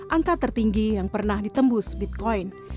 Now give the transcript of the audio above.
angka tertinggi yang pernah ditembus bitcoin